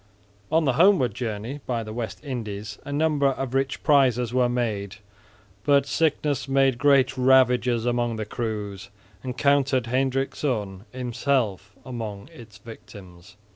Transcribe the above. On the homeward journey by the West Indies a number of rich prizes were made, but sickness made great ravages among the crews, and counted Hendrikszoon himself among its victims.